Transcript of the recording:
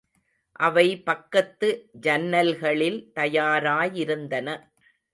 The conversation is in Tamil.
அவை பக்கத்து ஜன்னல்களில் தயாராயிருந்தன.